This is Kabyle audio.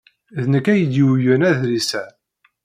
D nekk ay d-yuwyen adlis-a.